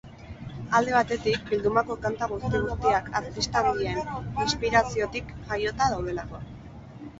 Alde batetik, bildumako kanta guzti-guztiak artista handien inspiraziotik jaiota daudelako.